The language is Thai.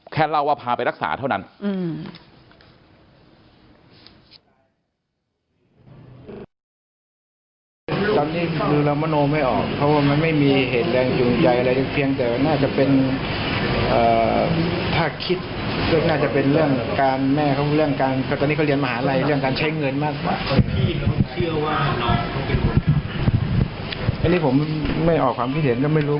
เล่าว่าพาไปรักษาเท่านั้น